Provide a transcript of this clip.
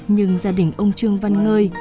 nhưng gia đình ông trương văn ngơi